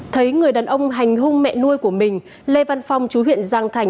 thấy người đàn ông hành hung mẹ nuôi của mình lê văn phong chú huyện giang thành